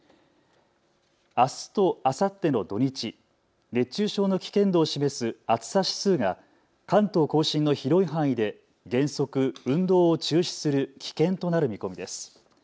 あすとあさっての土日、熱中症の危険度を示す暑さ指数が関東甲信の広い範囲で原則、運動を中止する危険となる見込みです。